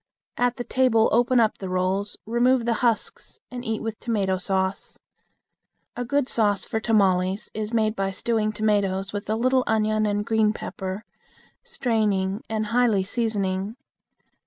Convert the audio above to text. At the table open up the rolls, remove the husks, and eat with tomato sauce. A good sauce for tamales is made by stewing tomatoes with a little onion and green pepper, straining and highly seasoning.